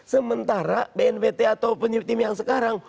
sementara bnpt atau tim yang sekarang